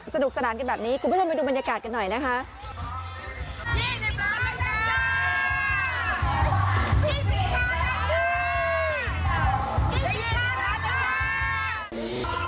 สนุกสนานกันแบบนี้คุณผู้ชมไปดูบรรยากาศกันหน่อยนะคะ